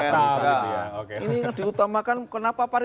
ini diutamakan kenapa para